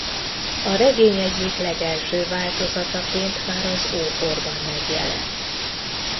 A regény egyik legelső változataként már az ókorban megjelent.